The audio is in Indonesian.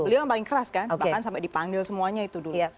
beliau yang paling keras kan bahkan sampai dipanggil semuanya itu dulu